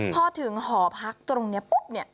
พอถึงหอพักตรงนี้ปุ๊บ